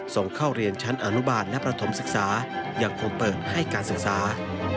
ส่งเข้าเรียนชั้นอนุบาลและประถมศึกษายังคงเปิดให้การศึกษา